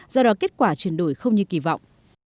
do đó kết quả chuyển đổi không như kỳ vọng